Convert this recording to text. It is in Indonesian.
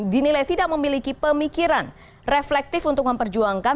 dinilai tidak memiliki pemikiran reflektif untuk memperjuangkan